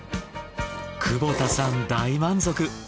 久保田さん大満足。